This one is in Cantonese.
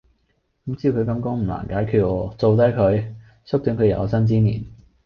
咁照佢講唔難解決喔，做低佢!縮短佢有生之年!